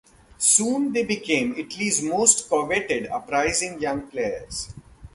Soon, they became Italy's most coveted uprising young players.